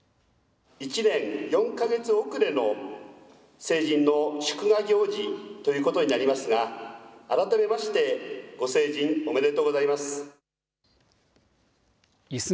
１年４か月遅れの成人の祝賀行事ということになりますが、改めまして、ご成人おめでとうございます。